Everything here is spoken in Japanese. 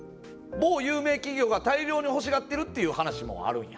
某有名企業が大量に欲しがっているっていう話もあるんや。